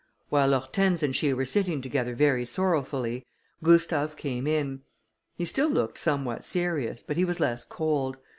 While Hortense and she were sitting together very sorrowfully, Gustave came in. He still looked somewhat serious, but he was less cold.